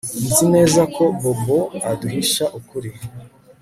Nzi neza ko Bobo aduhisha ukuri